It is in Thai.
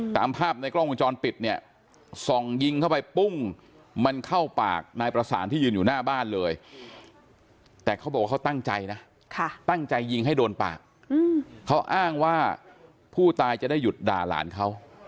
ตามภาพในกล้องวงจรปิดเนี่ยส่องยิงเข้าไปปุ้งมันเข้าปากนายประสานที่ยืนอยู่หน้าบ้านเลยแต่เขาบอกว่าเขาตั้งใจนะตั้งใจยิงให้โดนปากเขาอ้างว่าผู้ตายจะได้หยุดด่าหลานเขา